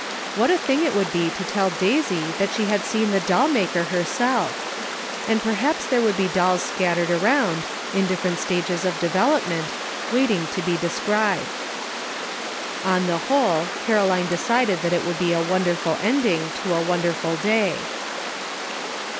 What a thing it would be to tell Daisy that she had seen the doll maker herself ! And perhaps there would be dolls scattered around, in dif ferent stages of development, waiting to be described. On the whole, Caroline decided that it would be a wonderful ending to a wonderful day.